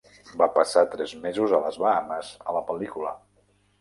Va passar tres mesos a les Bahamas a la pel·lícula.